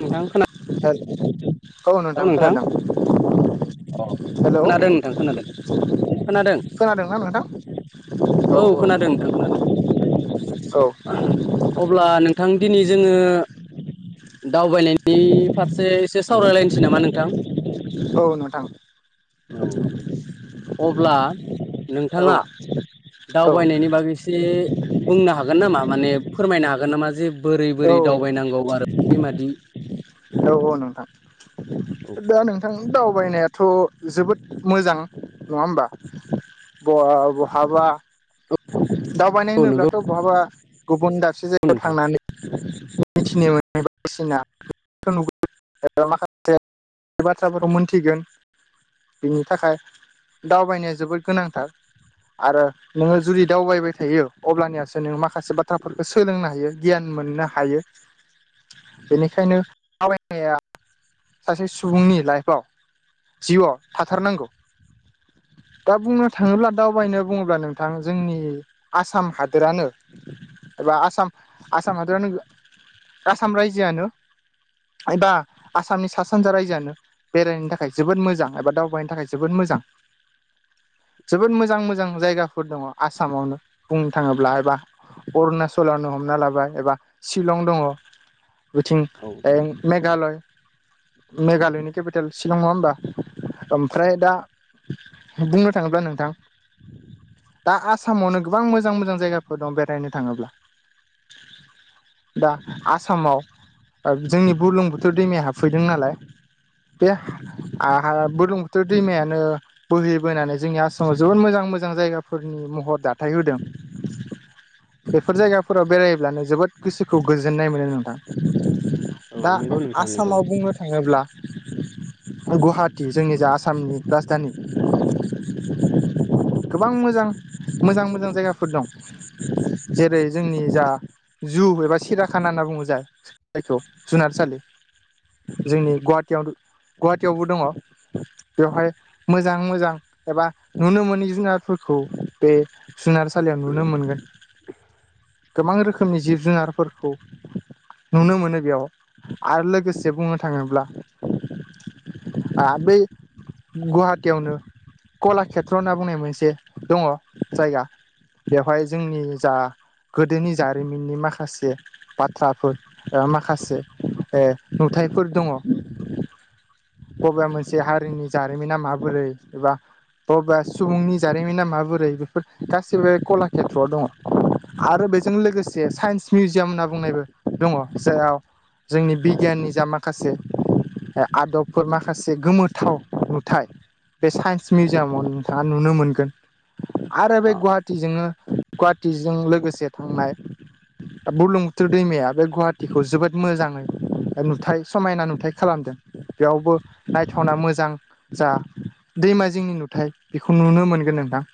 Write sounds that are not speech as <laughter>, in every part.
नोंथां खोना औ नोंथां खोनादों अ हेलौ खोनादों नोंथां खोनादों खोनादों खोनादोंना नोंथां औ खोनादों नोंथां खोनादों औ अब्ला नों नोंथां दिनै जोङो दावबायनायनि फारसे एसे सावरायलायनोसै। सै नामा नोंथां। औ नोंथां औ। अब्ला औ नोंथाङा औ दावबायनायनि बागैसे बुंनो हागोन नामा माने फोरमायनो हागोन नामा जे बोरै बोरै दावबायनांगौ आरो बे मादि औ औ नोंथां औ दा नों बिथांनि दावबायनायाथ' जोबोद मोजां नङा होमबा बहाबा दावबायनाय औ नंगौ होनोब्लाथ' बहाबा गुबुन दाबसे जायगायाव नोंथां थांनानै मिथिनो <unintelligible> बे बाथ्राफोरखौ मोनथिगोन बिनि थाखाय दावबायनाया जोबोद गोनांथार। आरो नोङो जुदि दावबायबाय थायो अब्लानियासो नों माखासे बाथ्राफोरखौ सोलोंनो हायो। गियान मोननो हायो बेनिखायनो थायनाया सासे सुबुंनि लाइफआव जिउआव थाथारनांगौ। दा बुंनो थाङोब्ला दावबायनो बुङोब्ला नोंथां जोंनि आसाम हादोरानो एबा आसाम आसाम हादोरिनो आसाम रायजोआनो एबा आसामनि सा सानजा रायजोआनो बेरायनो थाखाय जोबोद मोजां एबा दावबायनो थाखाय जोबोद मोजां। जोबोद मोजां मोजां जायगाफोर दङ आसामावनो बुंनो थाङोब्ला एबा अरुणाचलानो हमना लाबाय एबा शिलं दङ बिथिं औ मे घालय मेघालयनि केपिटेल शिलं नङा होनोमबा, ओमफ्राय दा बुंनो थाङोब्ला नोंथां दा आसामावनो गोबां मोजां मोजां जायगाफोर दं बेरायनो थाङोब्ला। दा आसामाव, जोंनि बुलुंबुथुर' दैमाया हाबफैदों नालाय, बे हा आ आ बुदुंखौथ' दैमायानो बोहैबोनानै जोंनि आसामाव जोबोद मोजां मोजां जायगाफोरनि महर दाथाय होदों। बेफोर जायगाफोराव बेरायब्लानो जोबोद गोसोखौ गोजोननाय मोनो नोंथां। औ दा नंगौ नोंथां नंगौ आसामाव बुंनो थाङोब्ला गुवाहाटि जोंनि जा आसामनि राजधानि, गोबां मोजां मोजां मोजां जायगाफोर दं जेरै जोंनि जा जु एबा सिराखाना होनना बुङो जाय जायखौ जुनारसालि जोंनि गुवाहाटियाव गुवाहाटियावबो दङ, बेवहाय मोजां मोजां एबा नुनो मोनै जुनारफोरखौ, बे जुनारसालियाव नुनो मोनगोन। गोबां रोखोमनि जिब जुनारफोरखौ नुनो मोनो बेयाव आरो लोगोसे बुंनो थाङोब्ला ओ बै गुवाहाटियावनो कलाखेत्र होनना बुंनाय मोनसे दङ, जायगा बेवहाय जोंनि जा गोदोनि जारिमिननि माखासे बाथ्राफोर ओ एबा माखासे नुथायफोर दङ, अब्ला मोनसे हारिनि जारिमिना माबोरै एबा बबेबा सुबुंनि जारिमिना माबोरै बेफोर गासिबो कलाकेथ्रआव दङ। आरो बेजों लोगोसे साइन्स मिउजियाम होनना बुंनायबो दङ जेयाव जोंनि बिगियाननि जा माखासे आदबफोर माखासे गोमोथाव नुथाय, बे साइन्स मिउजियामाव नोंथाङा नुनो मोनगोन। आरो बे औ गुवाहाटिजोंनो गुवाहाटिजों लोगोसे थांनाय बुरलुंबुथुर दैमाया बे गुवाहाटिखौ जोबोद मोजाङै नुथाय समायना नुथायाइ खालामदों बेयावबो नायथावना मोजां जा, दैमा जोंनि नुथाय बेखौ नुनो मोनगोन नोंथां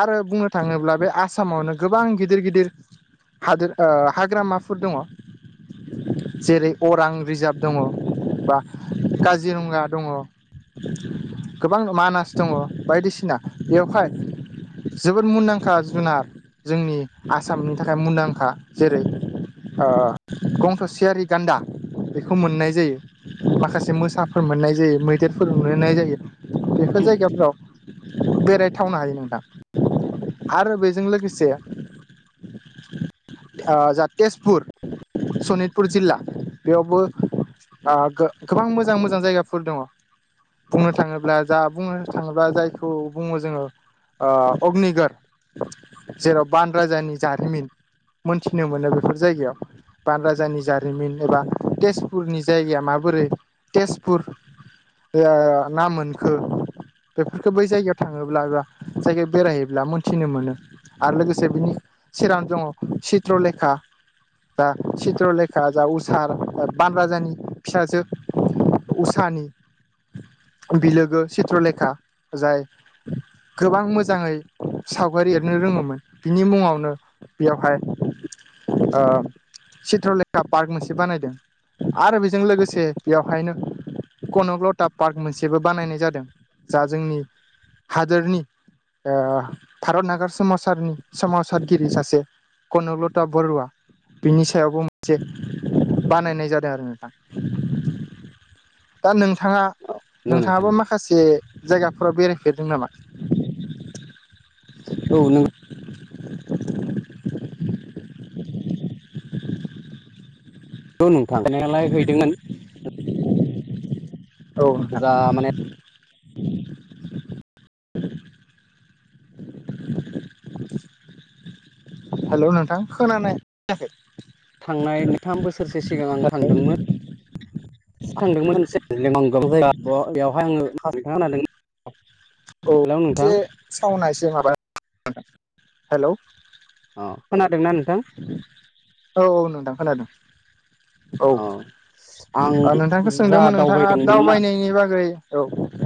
आरो बुंनो थाङोब्ला बे आसामावनो गोबां गिदिर‌गिदिर हादोर ओ हाग्रामाफोर दङ जेरै अरां रिजार्भ दङ बा काजिर'ङा दङ' गोबां मानास दङ' बायदिसिना बेवहाय जोबोद मुंदांखा जुनार जोंनि आसामनि थाखाय मुंदांखा जेरै ओ गंस' थ'सेयारि गान्दा बेखौ मोननाय जायो। माखासे मोसाफोर मोननाय जायो मैदेरफोर मोननाय जायो। बेफोर जायगाफोराव बेरायथावनो हायो नोंथां आरो बेजों लोगोसे लोगोसे ओ जा तेजपुर सनितपुर जिल्ला बेयावबो ओ गो गोबां मोजां-मोजां जायगाफोर दङ। बुंनो थाङोब्ला जा बुंनो थाङोब्ला जायखौ बुङो जोङो ओ अग्निगर जेराव बान राजानि जारिमिन मोनथिनो मोनो बेफोर जायगायाव बान राजानि जारिमिन एबा तेजपुरनि जायगाया माबोरै तेजपुर ओ नाम मोनखो बेफोरखौ बै जायगायाव थाङोब्ला एबा जायगायाव बेरायहायोब्ला मोनथिनो मोनो आरो लोगोसे बिनि सिरावनो दङ चित्रलेखा जा चित्रलेखा जा उसार ओ बान राजानि फिसाजो उसानि बिलोगो चित्रलेखा जाय गोबां मोजाङै सावगारि एर नो रोङोमोन बिनि मुङावनो बेयावहाय ओ चित्रलेखा पार्क मोनसे बानायदों। आरो बेजों लोगोसे बेवहायनो कनक लथा पार्क मोनसेबो बानायनाय जादों। जा जोंनि हादोरनि ओ भारत नागारस सोमावसारनि सोमोमावसारगिरि सासे कनलता बरुवा बिनि सायावबो मोनसे बानायनाय जादों आरो नोंथां। <inaudible> दा नोंथाङा नंगौ नोंथां नोंथाङाबो नंगौ माखासे जायगाफोराव बेरायफेरदों नामा? औ नों <inaudible> औ नोंथां हैनायालाय हैदोंमोन <inaudible> औ नोंथां। जा माने हेल' नोंथां खोनानाय <unintelligible> खै थांनाय थाम बोसोरसो सिगां औ आं थांदोंमोन थांदोंमोन <unintelligible> औ नोंथाङा खोनादों हेलौ नोंथां से सावना एसे माबा <unintelligible> हेलौ अ खोनादोंना नोंथां? औ औ नोंथां खोनादों। औ आं ओ नोंथांखौ जा सोंदोंमोन नोंथाङा दावबायदोंमोन ना दावबायनायनि बागै औ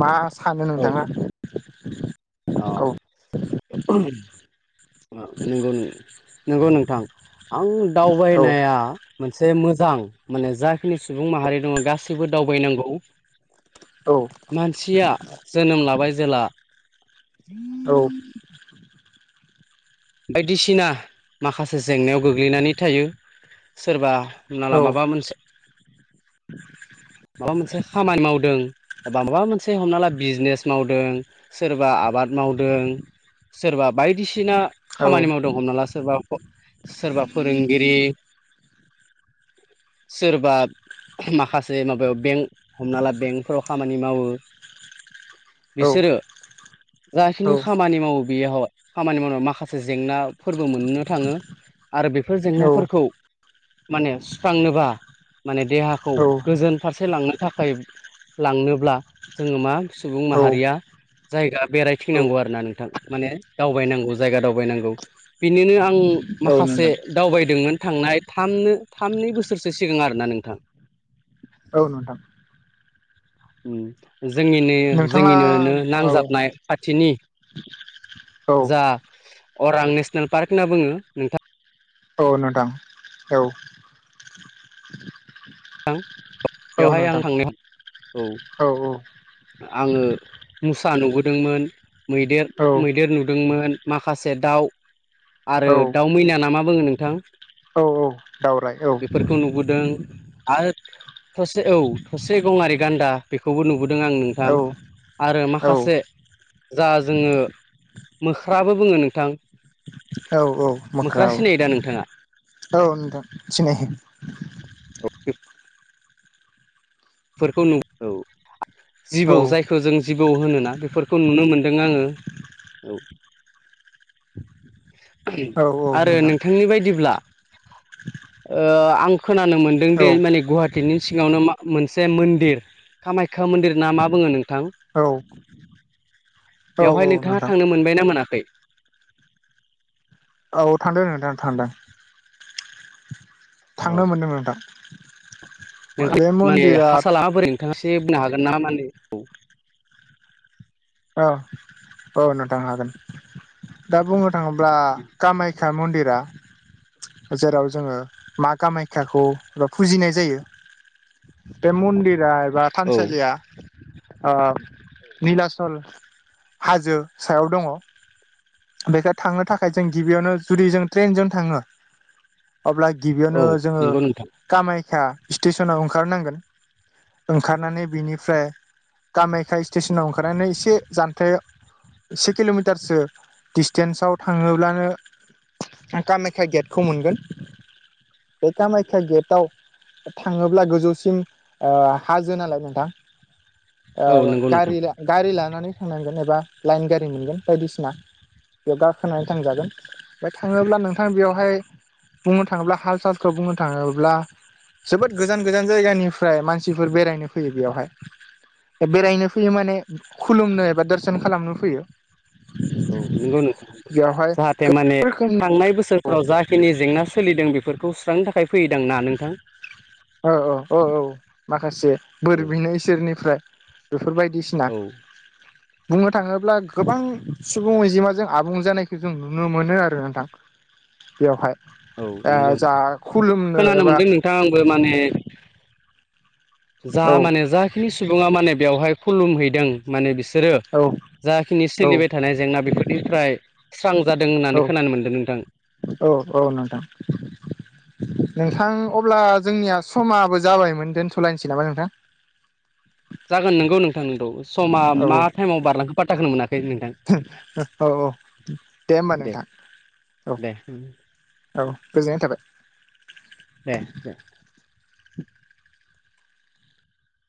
मा सानो औ नोंथाङा? अ औ नंगौ <unintelligible> नंगौ नोंथां आं औ दावबायनाया मोनसे मोजां माने जाखिनि सुबुं माहारि दङ गासैबो दावबायनांगौ औ मानसिया जोनोम लाबाय जेला <inaudible> औ बायदिसिना माखासे जेंनायाव गोग्लैनानै थायो सोरबा होननाला औ माबा मोनसे माबा मोनसे खामानि मावदों बा माबा मोनसे हमना ला बिजनेस मावदों सोरबा आबाद मावदों सोरबा बायदिसिना औ खामानि माव दं हमना ला सोरबा <unintelligible> सोरबा फोरोंगिरि सोरबा माखासे माबायाव बेंक हमना ला बेंकफोराव खामानि मावो बिसोरो औ जाखिनि खामानि मावो बेयाव खामानि मावनाय माखासे जेंनाफोरबो मोननो थाङो आरो बेफोर जेंनाफोरखौ माने सुस्रांनोबा माने देहाखौ औ गोजोन फारसे लांनो थाखाय लांनोब्ला जोङो मा सुबुं माहारिया जायगा औ बेरायथिनांगौ आरोना नोंथां माने दावबायनांगौ जायगा दावबायनां गौ बिनोनो आं औ माखासे नोंथां दावबायदोंमोन थांनाय थाम नो थाम नै बोसोरसो सिगां आरोना नोंथां औ नोंथां उम जोंनिनो नोंथाङा जोंनिनोनो औ नांजाबनाय खाथिनि <inaudible> जा अरां नेसनेल पार्क होनना बुङो नोंथा अ नोंथां औ थां औ बेवहाय आं नोंथां थांनायाव औ औ औ आङो मुसा नुबोदोंमोन मैदेर मैदेर नुदोंमोन माखासे दाउ आरो औ दाउ मैना ना मा बुङो नोंथां? औ दावराय औ बेफोरखौ नुबोदों। आरो थसे औ थसे गंआरि गान्दा बेखौबो नुबोदों आं नोंथां। औ आरो औ माखासे जा जोङो मोख्राबो बुङो नोंथां। औ औ मोख्रा सिनायो दा नोंथाङा औ औ नोंथां सिनायो। <unintelligible> फोरखौ नु औ औ जिबौ जायखौ जों जिबौ होनोना बेफोरखौ नुनो मोनदों आङो औ औ औ आरो नोंथां नोंथांनि बायदिब्ला ओ आं खोनानो मोनदों औ दि माने गुवाहाट बिनि सिगावनो मा मोनसे मन्दिर कामाख्या मन्दिर ना मा बुङो नोंथां औ। औ बेवहाय नोंथाङा नोंथां थांनो मोनबायना मोनाखै? औ थांदों नोंथां थांदों औ थांनो मोनदों नोंथां। नोंथां बे माने मन्दिरा हासालाङा बोरै नोंथाङा एसे बुंनो हागोन ना माने ओ औ नोंथां हागोन दा बुंनो थाङोब्ला कामाय खा मन्दिरा जेराव जोङो मा कामाय्याखौ एबा फुजिनाय जायो बे मन्दिरा एबा औ थानसालिया ओ निलास सल हाजो सायाव दङ। बेखौ थांनो थाखाय जों गिबियावनो जुदि जों ट्रेनजों थाङो अब्ला औ गिबियावनो जोङो नंगौ नोंथां कामाख्या स्टेसनाव ओंखारनांगोन ओंखारनानै बिनिफ्राय कामाख्या स्टेसनाव ओंखारनानै एसे जानथायाव एसे किल'मिटारसो डिसटेन्साव थाङोब्लानो ओ कामाख्या गेटखौ मोनगोन बे कामाख्या गेटआव थाङोब्ला गोजौसिम ओ हाजो नालाय नोंथां औ ओ नंगौ नोंथां गारिला गारि लानानै थांनांगोन एबा लाइन गारि मोनगोन बायदिसिना बेयाव गाखोनानै थांजागोन ओमफ्राय थाङोब्ला नोंथां बेयावहाय बुंनो थाङोब्ला हाल सालखौ बुंनो थाङोब्ला जोबोद गोजान गोजान जायगानिफ्राय मानसिफोर बेरायनो फैयो बेयावहाय बेरायनो फैयो माने खुलुमनो एबा दर्सन खालामनो फैयो औ नंगौ नंगौ बेयावहाय जाहाथे माने रोखोमनि थांनाय बोसोरफ्राव ज जिखिनि जेंना सोलिदों बेफोरखौ सुस्रांनो थाखाय फैयोदों ना? नोंथां ओ औ ओ औ माखासे बोर औ बिनो सोरनिफ्राय बेफोर बायदिसिना औ बुंनो थाङोब्ला गोबां सुबुं अनजिमाजों आबुं जानायखौ जों नुनो मोनो आरो नोंथां। बेवहाय औ ओ जा खुलुमनो एबा थां आंबो माने जा औ माने जाखिनि सुबुङा माने बेवहाय खुलुमहैदों माने बिसोरो औ जाखिनि औ सोलिबाय थानाय जेंना बेफोरनिफ्राय स्रां जादों औ होननानै खोनानो मोनदों नोंथां। औ - औ नोंथां। नोंथां अब्ला जोंनिया समाबो जाबायमोन दोनथ'लायनोसै नामा नोंथां। जागोन नंगौ नोंथां नोंगौ समा औ मा औ टाइमाव बारलांखो फाथाखौनो मोनाखै नोंथां। औ - औ दे होमबा नोंथां। औ दे - औ गोजोननाय थाबाय। ए <unintelligible>